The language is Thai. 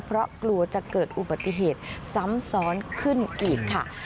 เพราะกลัวจะเกิดอุบัติเหตุซ้ำซ้อนขึ้นอีกค่ะ